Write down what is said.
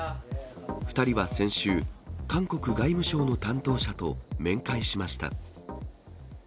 ２人は先週、韓国外務省の担当者と面会しました。